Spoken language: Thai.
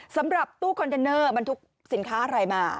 สำหรับตู้คอนเทนเนอร์บรรทุกสินค้าอะไรมา